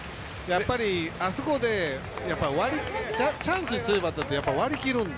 あそこでチャンスに強いバッターって割り切るんで。